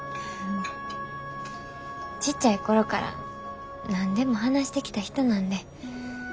ちっちゃい頃から何でも話してきた人なんで。